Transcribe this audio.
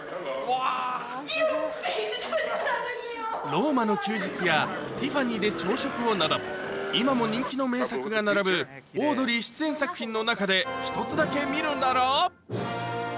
ローマの休日や、ティファニーで朝食をなど、今も人気の名作が並ぶ、オードリー出演作品の中でひとつだけ見るなら。